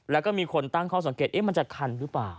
แล้วก็มีคนตั้งข้อสังเกตมันจะคันหรือเปล่า